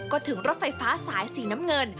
ก็ถึงรถไฟฟ้าสายสีน้ำเงิน